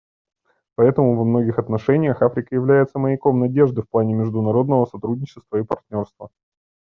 Поэтому во многих отношениях Африка является маяком надежды в плане международного сотрудничества и партнерства.